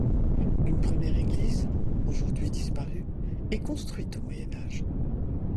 Une première église, aujourd'hui disparue, est construite au Moyen Âge.